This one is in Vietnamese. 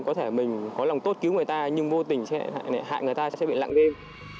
có thể mình có lòng tốt cứu người ta nhưng vô tình sẽ hại người ta sẽ bị nặng đêm